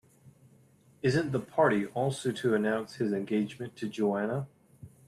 Isn't the party also to announce his engagement to Joanna?